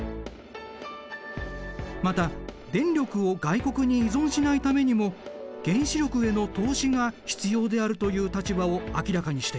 また電力を外国に依存しないためにも原子力への投資が必要であるという立場を明らかにしている。